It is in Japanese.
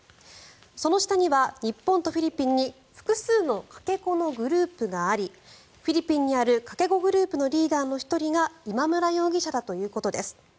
その下には日本とフィリピンに複数のかけ子のグループがありフィリピンにあるかけ子グループのリーダーの１人が今村容疑者だということです。